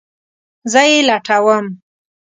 زه یی لټوم